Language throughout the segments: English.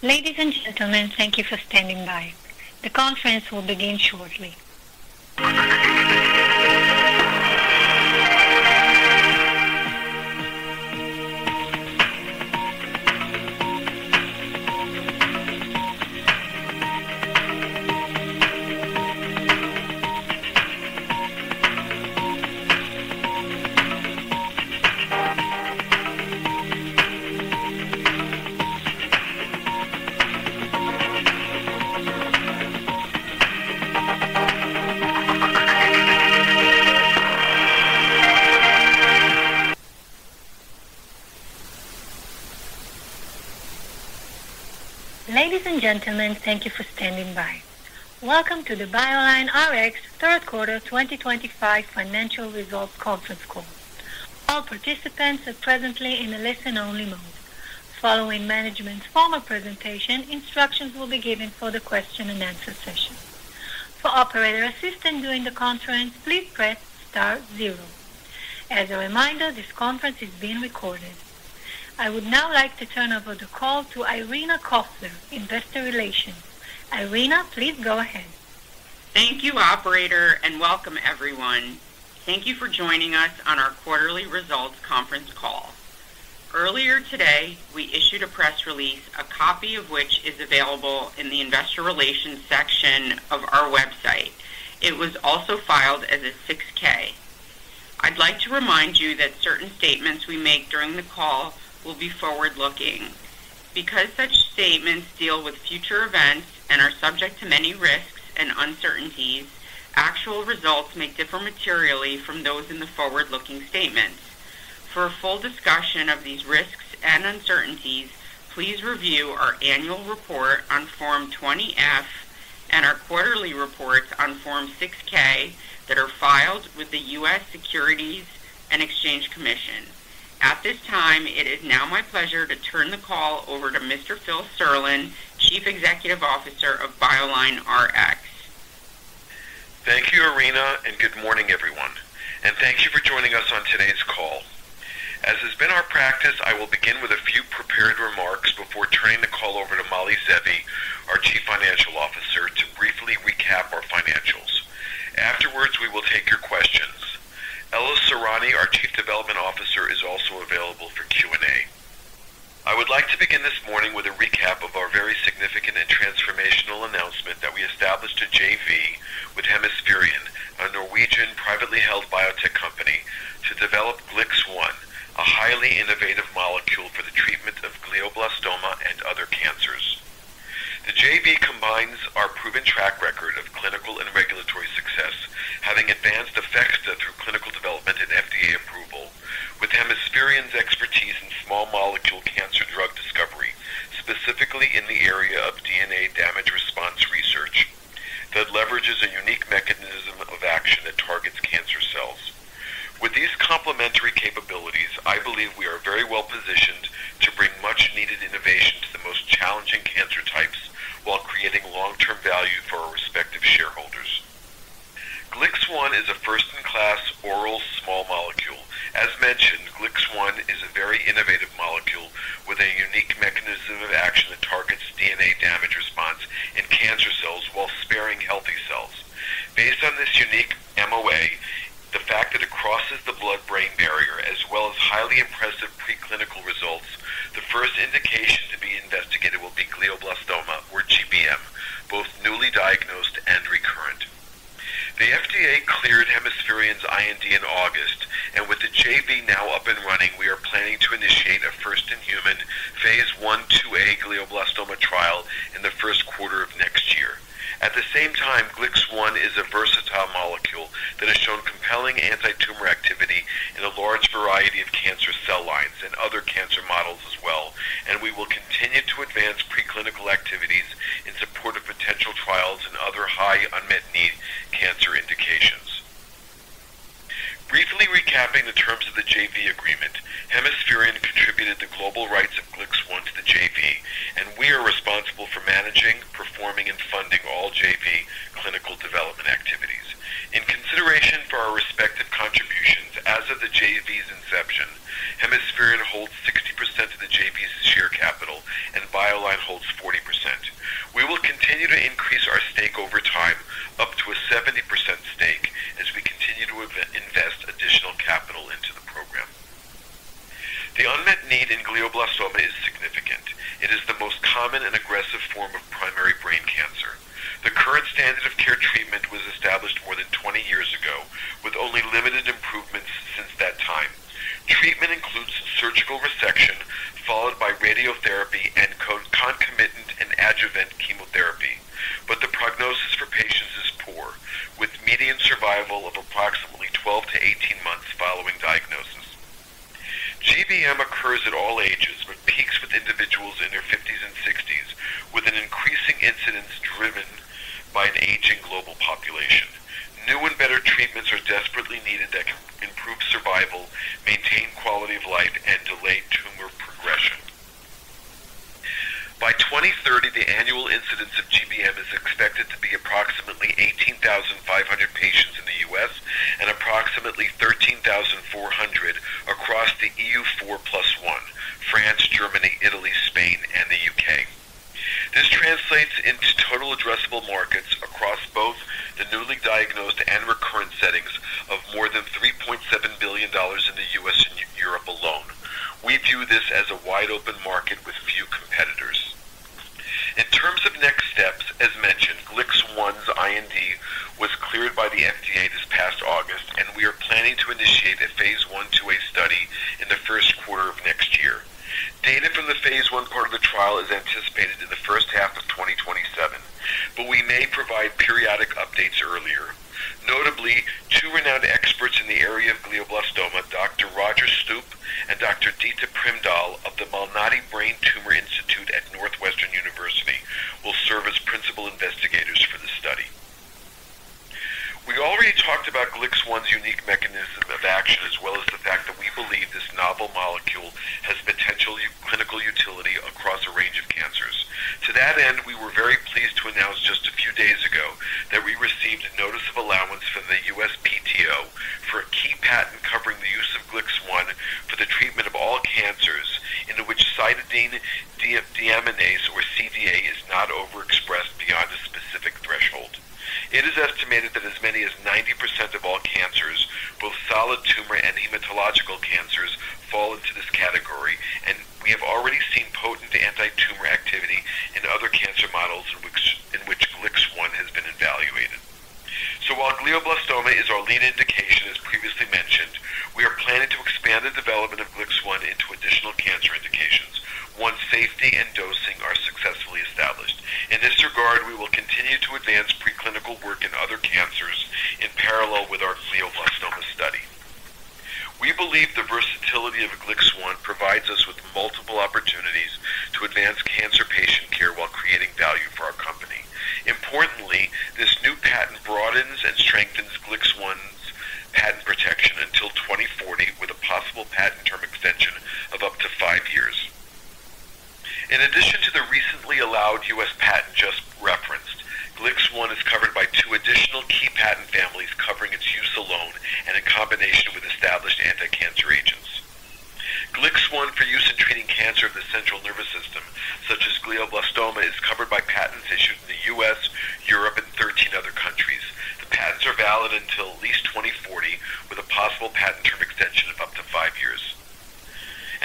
Ladies and gentlemen, thank you for standing by. The conference will begin shortly. Ladies and gentlemen, thank you for standing by. Welcome to the BioLineRx third quarter 2025 financial results conference call. All participants are presently in a listen-only mode. Following management's formal presentation, instructions will be given for the question-and-answer session. For operator assistance during the conference, please press star zero. As a reminder, this conference is being recorded. I would now like to turn over the call to Irina Koffler, Investor Relations. Irina, please go ahead. Thank you, Operator, and welcome, everyone. Thank you for joining us on our quarterly results conference call. Earlier today, we issued a press release, a copy of which is available in the Investor Relations section of our website. It was also filed as a 6-K. I'd like to remind you that certain statements we make during the call will be forward-looking. Because such statements deal with future events and are subject to many risks and uncertainties, actual results may differ materially from those in the forward-looking statements. For a full discussion of these risks and uncertainties, please review our annual report on Form 20-F and our quarterly reports on Form 6-K that are filed with the U.S. Securities and Exchange Commission. At this time, it is now my pleasure to turn the call over to Mr. Phil Serlin, Chief Executive Officer of BioLineRx. Thank you, Irina, and good morning, everyone. Thank you for joining us on today's call. As has been our practice, I will begin with a few prepared remarks before turning the call over to Mali Zeevi, our Chief Financial Officer, to briefly recap our financials. Afterwards, we will take your questions. Ella Sorani, our Chief Development Officer, is also available for Q&A. I would like to begin this morning with a recap of our very significant and transformational announcement that we established a JV with Hemispherian, a Norwegian privately held biotech company, to develop GLIX1, a highly innovative molecule for the treatment of glioblastoma and other cancers. The JV combines our proven track record of clinical and regulatory success, having advanced APHEXDA through clinical development and FDA approval, with Hemispherian's expertise in small molecule cancer drug discovery, specifically in the area of DNA damage response research, that leverages a unique mechanism of action that targets cancer cells. With these complementary capabilities, I believe we are very well positioned to bring much-needed innovation to the most challenging cancer types while creating long-term value for our respective shareholders. GLIX1 is a first-in-class oral small molecule. As mentioned, GLIX1 is a very innovative molecule with a unique mechanism of action that targets DNA damage response in cancer cells while sparing healthy cells. Based on this unique MOA, the fact that it crosses the blood-brain barrier as well as highly impressive preclinical results, the first indication to be investigated will be glioblastoma, or GBM, both newly diagnosed and recurrent. The FDA cleared Hemispherian's IND in August, and with the JV now up and running, we are planning to initiate a first-in-human phase I/II-A glioblastoma trial in the first quarter of next year. At the same time, GLIX1 is a versatile molecule that has shown compelling anti-tumor activity in a large variety of cancer cell lines and other cancer models as well, and we will continue to advance preclinical activities in support of potential trials in other high unmet need cancer indications. Briefly recapping the terms of the JV agreement, Hemispherian contributed the global rights of GLIX1 to the JV, and we are responsible for managing, performing, and funding all JV clinical development activities. In consideration for our respective contributions as of the JV's inception, Hemispherian holds 60% of the JV's share capital, and BioLine holds 40%. We will continue to increase our stake over time up to a 70% stake as we continue to invest additional capital into the program. The unmet need in glioblastoma is significant. It is the most common and aggressive form of primary brain cancer. The current standard of care treatment was established more than 20 years ago, with only limited improvements since that time. Treatment includes surgical resection followed by radiotherapy and concomitant and adjuvant chemotherapy, but the prognosis for patients is poor, with median survival of approximately 12-18 months following diagnosis. GBM occurs at all ages but peaks with individuals in their 50s and 60s, with an increasing incidence driven by an aging global population. New and better treatments are desperately needed that can improve survival, maintain quality of life, and delay tumor progression. By 2030, the annual incidence of GBM is expected to be approximately 18,500 patients in the U.S. and approximately 13,400 across the EU4+1: France, Germany, Italy, Spain, and the U.K. This translates into total addressable markets across both the newly diagnosed and recurrent settings of more than $3.7 billion in the U.S. and Europe alone. We view this as a wide-open market with few competitors. In terms of next steps, as mentioned, GLIX1's IND was cleared by the FDA this past August, and we are planning to initiate a phase I/II-A study in the first quarter of next year. Data from the phase 1 part of the trial is anticipated in the first half of 2027, but we may provide periodic updates earlier. Notably, two renowned experts in the area of glioblastoma, Dr. Roger Stupp and Dr. Ditte Primdahl of the Malnati Brain Tumor Institute at Northwestern University will serve as principal investigator for the study. We already talked about GLIX1's unique mechanism of action as well as the fact that we believe this novel molecule has potential clinical utility across a range of cancers. To that end, we were very pleased to announce just a few days ago that we received a notice of allowance from the U.S. PTO for a key patent covering the use of GLIX1 for the treatment of all cancers in which cytidine deaminase, or CDA, is not overexpressed beyond a specific threshold. It is estimated that as many as 90% of all cancers, both solid tumor and hematological cancers, fall into this category, and we have already seen potent anti-tumor activity in other cancer models in which GLIX1 has been evaluated. While glioblastoma is our lead indication, as previously mentioned, we are planning to expand the development of GLIX1 into additional cancer indications once safety and dosing are successfully established. In this regard, we will continue to advance preclinical work in other cancers in parallel with our glioblastoma study. We believe the versatility of GLIX1 provides us with multiple opportunities to advance cancer patient care while creating value for our company. Importantly, this new patent broadens and strengthens GLIX1's patent protection until 2040, with a possible patent term extension of up to five years. In addition to the recently allowed U.S. patent just referenced, GLIX1 is covered by two additional key patent families covering its use alone and in combination with established anti-cancer agents. GLIX1 for use in treating cancer of the central nervous system, such as glioblastoma, is covered by patents issued in the U.S., Europe, and 13 other countries. The patents are valid until at least 2040, with a possible patent term extension of up to five years.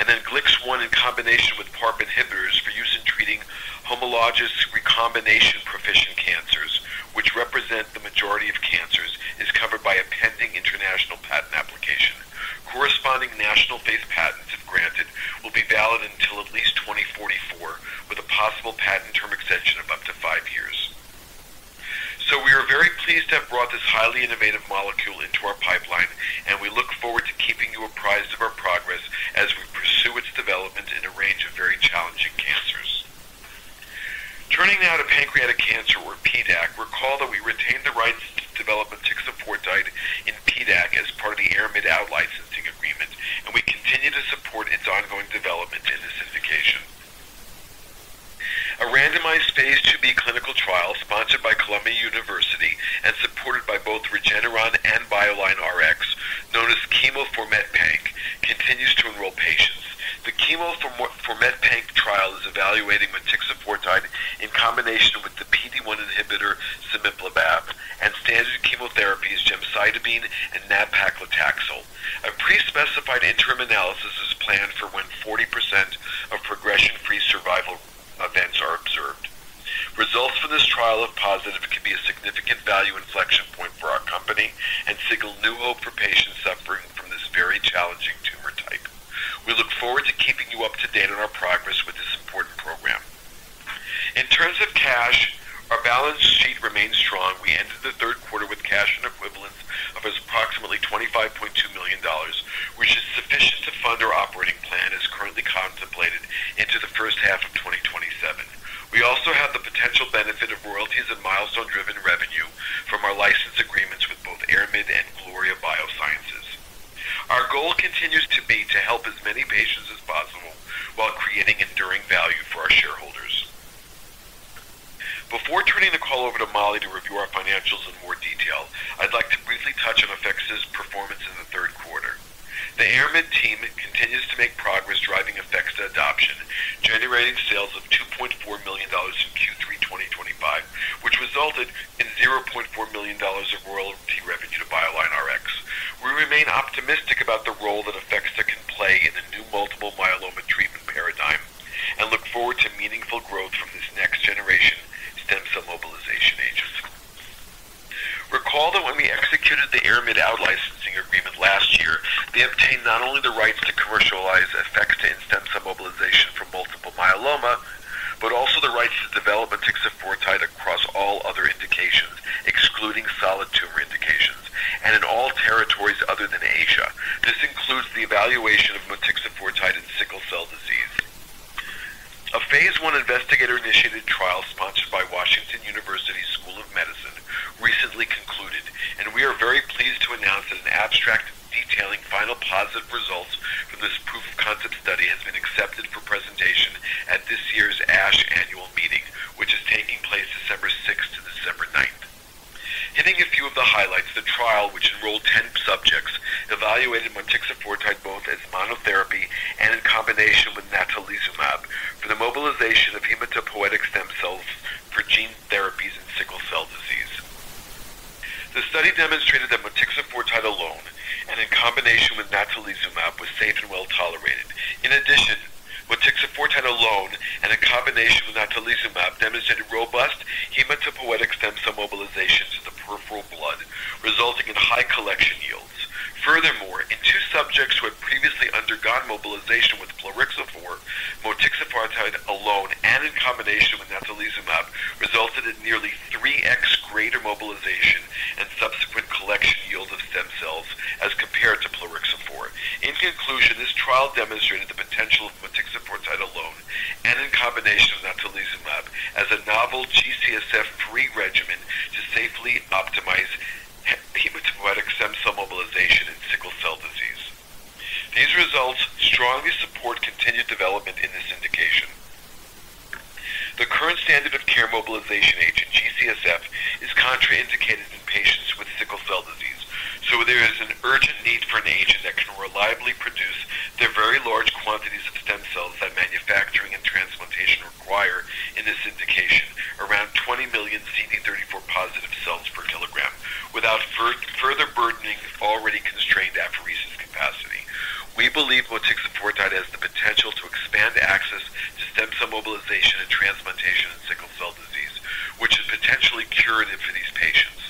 GLIX1, in combination with PARP inhibitors for use in treating homologous recombination proficient cancers, which represent the majority of cancers, is covered by a pending international patent application. Corresponding national-faith patents, if granted, will be valid until at least 2044, with a possible patent term extension of up to five years. We are very pleased to have brought this highly innovative molecule into our pipeline, and we look forward to keeping you apprised of our progress as we pursue its development in a range of very challenging cancers. Turning now to pancreatic cancer, or PDAC, recall that we retained the rights to develop metixafortide in PDAC as part of the Ayrmid out-licensing agreement, and we continue to support its ongoing development and acidification. A randomized phase II-B clinical trial sponsored by Columbia University and supported by both Regeneron and BioLineRx, known as CheMo4METPANC, continues to enroll patients. The CheMo4METPANC trial is evaluating metixafortide in combination with the PD-1 inhibitor sintilimab and standard chemotherapies gemcitabine and nab-paclitaxel. A pre-specified interim analysis is planned for when 40% of progression-free survival events are observed. Results from this trial if positive could be a significant value inflection point for our company and signal new hope for patients suffering from this very challenging tumor type. We look forward to keeping you up to date on our progress with this important program. In terms of cash, our balance sheet remains strong. We ended the third quarter with cash and equivalents of approximately $25.2 million, which is sufficient to fund our operating plan as currently contemplated into the first half of 2027. We also have the potential benefit of royalties and milestone-driven revenue from our license agreements with both Ayrmid and Gloria Biosciences. Our goal continues to be to help as many patients as possible while creating enduring value for our shareholders. Before turning the call over to Mali to review our financials in more detail, I'd like to briefly touch on APHEXDA's performance in the third quarter. The Ayrmid team continues to make progress driving APHEXDA adoption, generating sales of $2.4 million in Q3 2025, which resulted in $0.4 million of royalty revenue to BioLineRx. We remain optimistic about the role that APHEXDA can play in the new multiple myeloma treatment paradigm and look forward to meaningful growth from this next-generation stem cell mobilization agent. Recall that when we executed the Ayrmid out-licensing agreement last year, they obtained not only the rights to commercialize APHEXDA in stem cell mobilization for multiple myeloma, but also the rights to develop metixafortide across all other indications, excluding solid tumor indications, and in all territories other than Asia. This includes the evaluation of metixafortide in sickle cell disease. A phase I investigator-initiated trial sponsored by Washington University School of Medicine recently concluded, and we are very pleased to announce that an abstract detailing final positive results from this proof-of-concept study has been accepted for presentation at this year's ASH annual meeting, which is taking place December 6th to December 9th. Hitting a few of the highlights, the trial, which enrolled 10 subjects, evaluated metixafortide both as monotherapy and in combination with natalizumab for the mobilization of hematopoietic stem cells for gene therapies in sickle cell disease. The study demonstrated that metixafortide alone and in combination with natalizumab was safe and well tolerated. In addition, metixafortide alone and in combination with natalizumab demonstrated robust hematopoietic stem cell mobilizations in the peripheral blood, resulting in high collection yields. Furthermore, in two subjects who had previously undergone mobilization with plerixafor, metixafortide alone and in combination with natalizumab resulted in nearly 3x greater mobilization and subsequent collection yields of stem cells as compared to plerixafor. In conclusion, this trial demonstrated the potential of metixafortide alone and in combination with natalizumab as a novel G-CSF-free regimen to safely optimize hematopoietic stem cell mobilization in sickle cell disease. These results strongly support continued development in this indication. The current standard of care mobilization agent, G-CSF, is contraindicated in patients with sickle cell disease, so there is an urgent need for an agent that can reliably produce the very large quantities of stem cells that manufacturing and transplantation require in this indication, around 20 million CD34-positive cells per kilogram, without further burdening already constrained apheresis capacity. We believe metixafortide has the potential to expand access to stem cell mobilization and transplantation in sickle cell disease, which is potentially curative for these patients.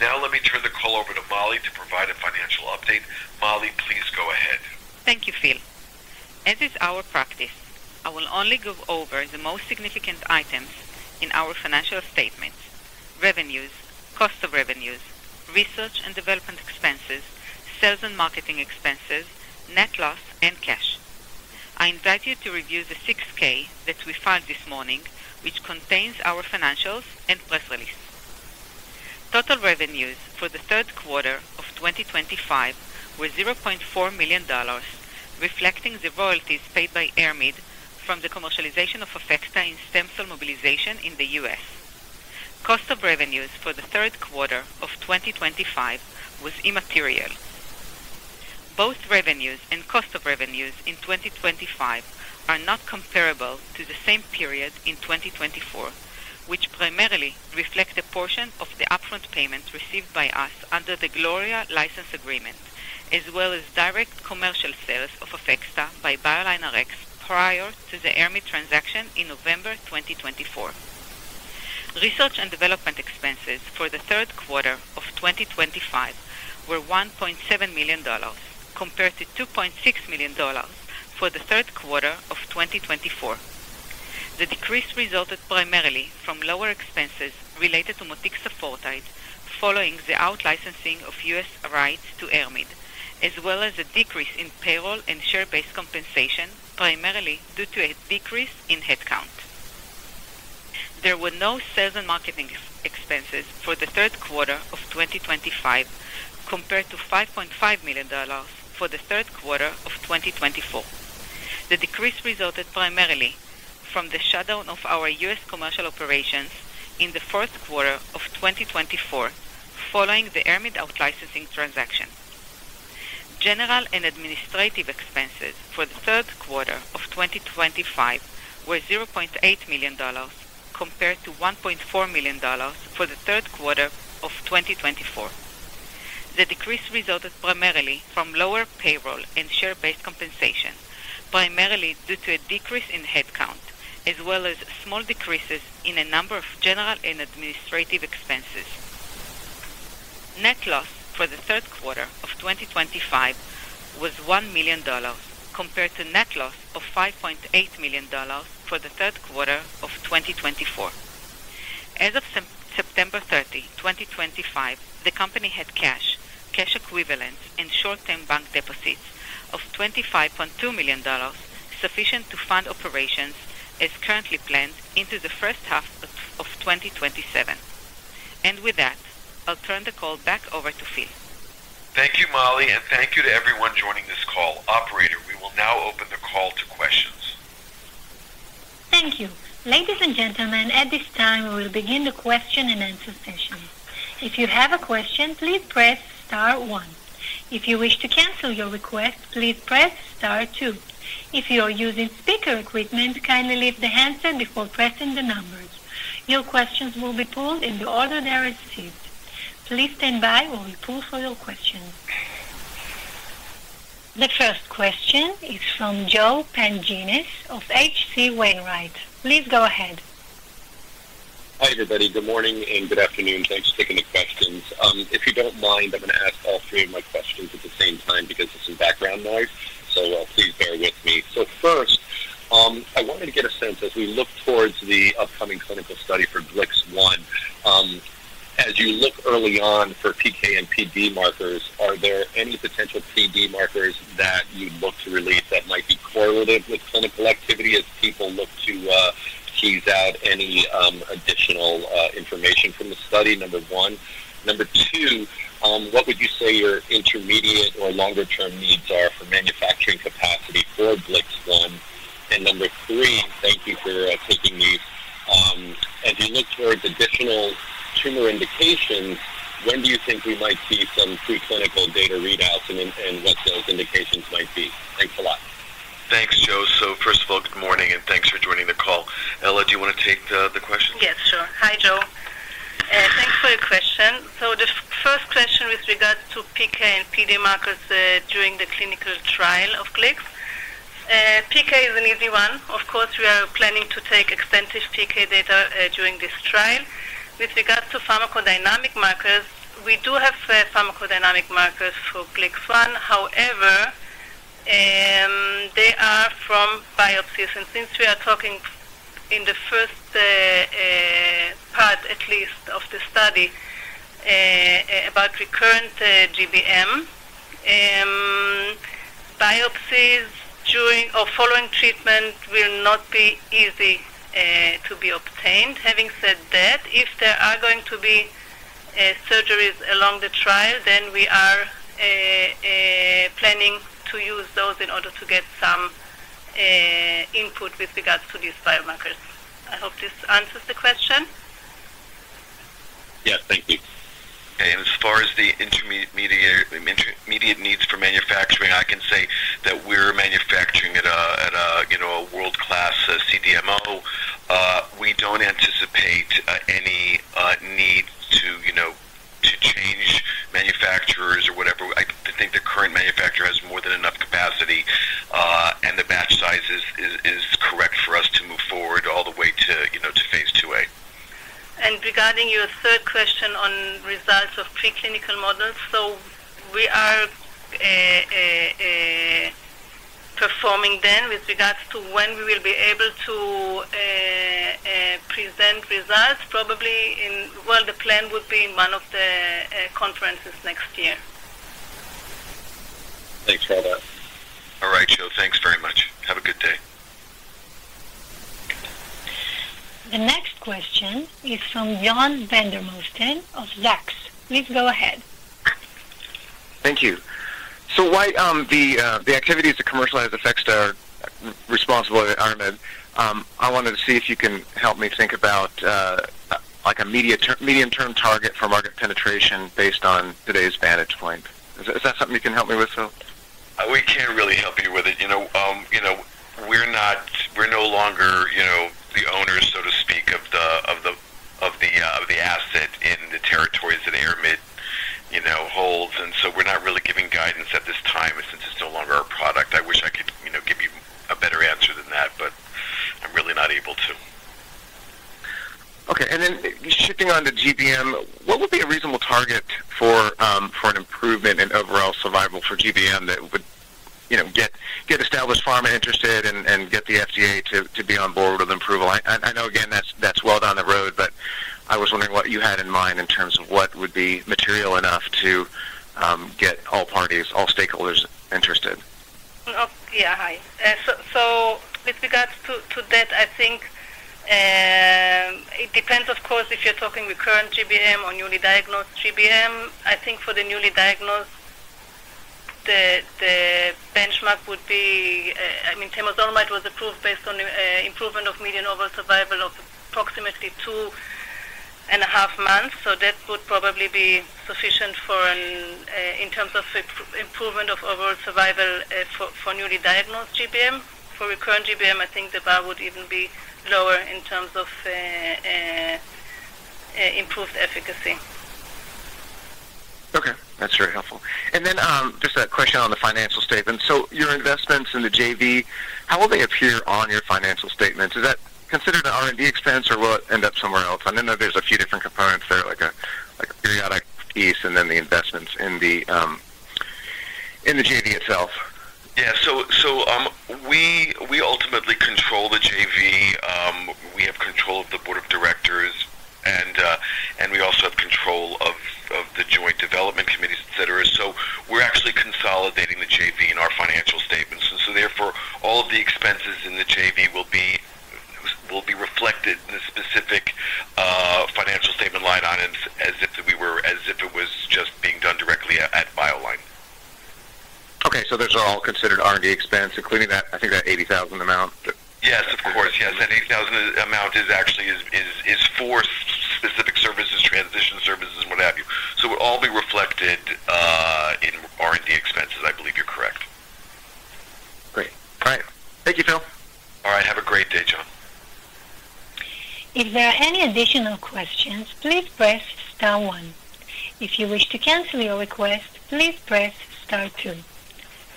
Now let me turn the call over to Mali to provide a financial update. Mali, please go ahead. Thank you, Phil. As is our practice, I will only go over the most significant items in our financial statements: revenues, cost of revenues, research and development expenses, sales and marketing expenses, net loss, and cash. I invite you to review the 6-K that we filed this morning, which contains our financials and press release. Total revenues for the third quarter of 2025 were $0.4 million, reflecting the royalties paid by Ayrmid from the commercialization of APHEXDA in stem cell mobilization in the U.S. Cost of revenues for the third quarter of 2025 was immaterial. Both revenues and cost of revenues in 2025 are not comparable to the same period in 2024, which primarily reflects a portion of the upfront payment received by us under the Gloria license agreement, as well as direct commercial sales of APHEXDA by BioLineRx prior to the Ayrmid transaction in November 2024. Research and development expenses for the third quarter of 2025 were $1.7 million, compared to $2.6 million for the third quarter of 2024. The decrease resulted primarily from lower expenses related to metixafortide following the out-licensing of U.S. rights to Ayrmid, as well as a decrease in payroll and share-based compensation, primarily due to a decrease in headcount. There were no sales and marketing expenses for the third quarter of 2025 compared to $5.5 million for the third quarter of 2024. The decrease resulted primarily from the shutdown of our U.S. commercial operations in the fourth quarter of 2024 following the Ayrmid out-licensing transaction. General and administrative expenses for the third quarter of 2025 were $0.8 million, compared to $1.4 million for the third quarter of 2024. The decrease resulted primarily from lower payroll and share-based compensation, primarily due to a decrease in headcount, as well as small decreases in a number of general and administrative expenses. Net loss for the third quarter of 2025 was $1 million, compared to net loss of $5.8 million for the third quarter of 2024. As of September 30, 2025, the company had cash, cash equivalents, and short-term bank deposits of $25.2 million, sufficient to fund operations as currently planned into the first half of 2027. I'll turn the call back over to Phil. Thank you, Mali, and thank you to everyone joining this call. Operator, we will now open the call to questions. Thank you. Ladies and gentlemen, at this time, we will begin the question and answer session. If you have a question, please press star one. If you wish to cancel your request, please press star two. If you are using speaker equipment, kindly lift the handset before pressing the numbers. Your questions will be pulled in the order they are received. Please stand by while we poll for your questions. The first question is from Joe Pantginis of H.C. Wainwright. Please go ahead. Hi, everybody. Good morning and good afternoon. Thanks for taking the questions. If you don't mind, I'm going to ask all three of my questions at the same time because there's some background noise, so please bear with me. First, I wanted to get a sense as we look towards the upcoming clinical study for GLIX1, as you look early on for PK and PD markers, are there any potential PD markers that you'd look to release that might be correlative with clinical activity as people look to tease out any additional information from the study? Number one. Number two, what would you say your intermediate or longer-term needs are for manufacturing capacity for GLIX1? Number three, thank you for taking these. As you look towards additional tumor indications, when do you think we might see some preclinical data readouts and what those indications might be? Thanks a lot. Thanks, Joe. First of all, good morning and thanks for joining the call. Ella, do you want to take the questions? Yes, sure. Hi, Joe. Thanks for your question. The first question with regards to PK and PD markers during the clinical trial of GLIX. PK is an easy one. Of course, we are planning to take extensive PK data during this trial. With regards to pharmacodynamic markers, we do have pharmacodynamic markers for GLIX1. However, they are from biopsies. And since we are talking in the first part, at least, of the study about recurrent GBM, biopsies during or following treatment will not be easy to be obtained. Having said that, if there are going to be surgeries along the trial, then we are planning to use those in order to get some input with regards to these biomarkers. I hope this answers the question. Yes, thank you. As far as the intermediate needs for manufacturing, I can say that we're manufacturing at a world-class CDMO. We don't anticipate any need to change manufacturers or whatever. I think the current manufacturer has more than enough capacity, and the batch size is correct for us to move forward all the way to phase II-A. Regarding your third question on results of preclinical models, we are performing them. With regards to when we will be able to present results, probably, the plan would be in one of the conferences next year. Thanks for all that. All right, Joe. Thanks very much. Have a good day. The next question is from John Vandermosten of Zacks. Please go ahead. Thank you. The activities to commercialize APHEXDA are responsible at Ayrmid. I wanted to see if you can help me think about a medium-term target for market penetration based on today's vantage point. Is that something you can help me with, Phil? We can't really help you with it. We're no longer the owners, so to speak, of the asset in the territories that Ayrmid holds. We are not really giving guidance at this time since it's no longer our product. I wish I could give you a better answer than that, but I'm really not able to. Okay. And then shifting on to GBM, what would be a reasonable target for an improvement in overall survival for GBM that would get established pharma interested and get the FDA to be on board with improval? I know, again, that's well down the road, but I was wondering what you had in mind in terms of what would be material enough to get all parties, all stakeholders interested. Yeah, hi. With regards to that, I think it depends, of course, if you're talking recurrent GBM or newly diagnosed GBM. I think for the newly diagnosed, the benchmark would be, I mean, temozolomide was approved based on improvement of median overall survival of approximately two and a half months. That would probably be sufficient in terms of improvement of overall survival for newly diagnosed GBM. For recurrent GBM, I think the bar would even be lower in terms of improved efficacy. Okay. That's very helpful. Just a question on the financial statements. Your investments in the JV, how will they appear on your financial statements? Is that considered an R&D expense, or will it end up somewhere else? I know there's a few different components there, like a periodic piece and then the investments in the JV itself. Yeah. We ultimately control the JV. We have control of the board of directors, and we also have control of the joint development committees, etc. We are actually consolidating the JV in our financial statements. Therefore, all of the expenses in the JV will be reflected in the specific financial statement line items as if it was just being done directly at BioLineRx. Okay. Those are all considered R&D expense, including that, I think, that $80,000 amount? Yes, of course. Yes. That $80,000 amount is actually for specific services, transition services, what have you. It would all be reflected in R&D expenses, I believe you're correct. Great. All right. Thank you, Phil. All right. Have a great day, John. If there are any additional questions, please press star one. If you wish to cancel your request, please press star two.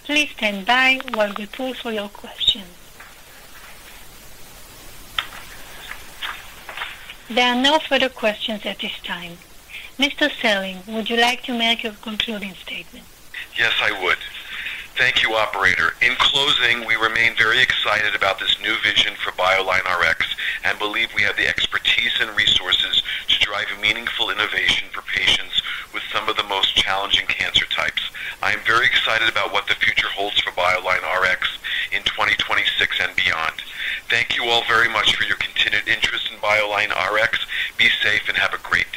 Please stand by while we pull for your questions. There are no further questions at this time. Mr. Serlin, would you like to make your concluding statement? Yes, I would. Thank you, Operator. In closing, we remain very excited about this new vision for BioLineRx and believe we have the expertise and resources to drive meaningful innovation for patients with some of the most challenging cancer types. I am very excited about what the future holds for BioLineRx in 2026 and beyond. Thank you all very much for your continued interest in BioLineRx. Be safe and have a great day.